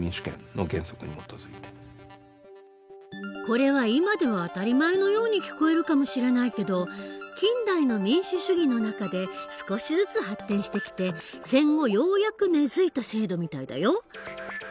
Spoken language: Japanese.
これは今では当たり前のように聞こえるかもしれないけど近代の民主主義の中で少しずつ発展してきて戦後ようやく根づいた制度みたいだよ。